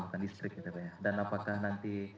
bukan listrik pak dan apakah nanti